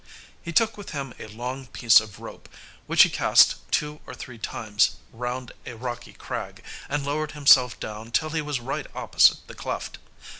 He took with him a long piece of rope, which he cast two or three times round a rocky crag, and lowered himself down till he was right opposite the cleft.